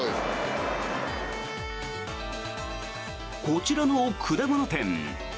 こちらの果物店。